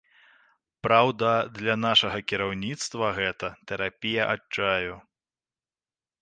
Праўда, для нашага кіраўніцтва гэта тэрапія адчаю.